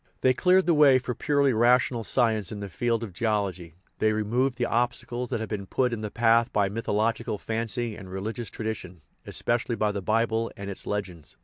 They cleared the way for purely rational science in the field of geology ; they removed the obstacles that had been put in the path by mythological fancy and religious tradition, espe cially by the Bible and its legends.